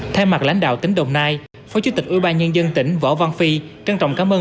theo mặt lãnh đạo tỉnh đồng nai phó chủ tịch ủy ban nhân dân tỉnh võ văn phi trân trọng cám ơn